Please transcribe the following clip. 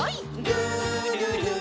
「るるる」